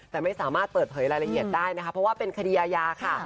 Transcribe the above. แต่ไม่สามารถเปิดเผยรายละเอียดได้นะคะเพราะว่าเป็นคดีอาญาค่ะ